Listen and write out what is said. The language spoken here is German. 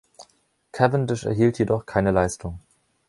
Cavendish erhielt jedoch keine Leistung.